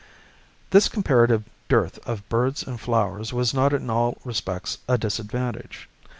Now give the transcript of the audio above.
This comparative dearth of birds and flowers was not in all respects a disadvantage.